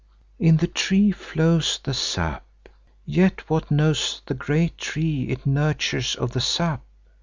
"In the tree flows the sap, yet what knows the great tree it nurtures of the sap?